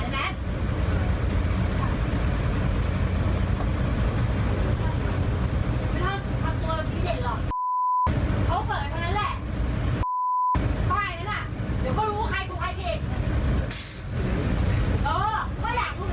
เดี๋ยวก็รู้ใครถูใครถู